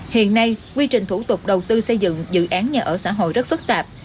hiện nay quy trình thủ tục đầu tư xây dựng dự án nhà ở xã hội rất phức tạp